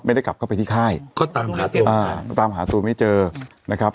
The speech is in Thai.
ไม่ได้กลับเข้าไปที่ค่ายก็ตามหาตัวอ่าตามหาตัวไม่เจอนะครับ